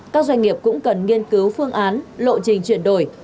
các doanh nghiệp cũng cần nghiên cứu phương án lộ trình chuyển đổi